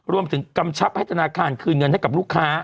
กำชับให้ธนาคารคืนเงินให้กับลูกค้า